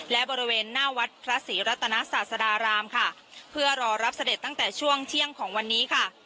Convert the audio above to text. และบริเวณหน้าวัดพระศรีรัตนาศาสดารามค่ะเพื่อรอรับเสด็จตั้งแต่ช่วงเที่ยงของวันนี้ค่ะ